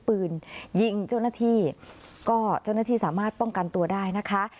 ปืนยิงเจ้าหน้าที่ก็เจ้าหน้าที่สามารถป้องกันตัวได้นะคะ